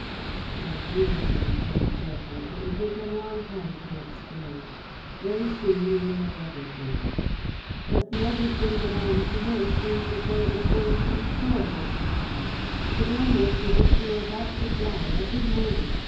"My dear," he replied gently, "it would take a long time to explain. Very soon you will know everything." "But the everything that I am to know seems as though it were going to be horrible!" she cried. "Madame looks as if she were about to die every moment.